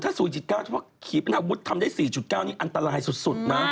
ถ้า๔๙คือว่าครีปนาวุฒร์ทำได้๔๙นี่อันตรายสุดนะ